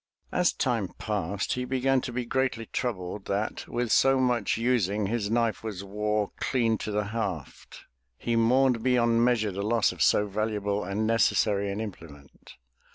As time passed he began to be greatly troubled that, with so much using, his knife was wore clean to the haft. He mourned beyond measure the loss of so valuable and necessary an imple ment.